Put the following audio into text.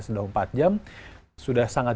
sudah empat jam sudah sangat